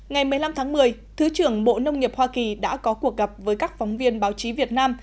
ngày một mươi năm tháng một mươi thứ trưởng bộ nông nghiệp hoa kỳ đã có cuộc gặp với các phóng viên báo chí việt nam